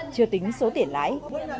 chưa tính số tiền lái